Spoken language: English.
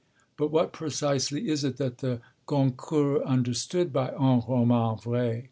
But what, precisely, is it that the Goncourts understood by un roman vrai?